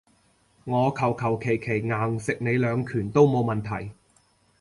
我求求其其硬食你兩拳都冇問題